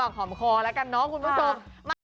เอาไงครับแกล้งกันพอนขาว